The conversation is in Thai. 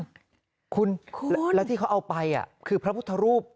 คุณแล้วที่เขาเอาไปคือพระพุทธรูป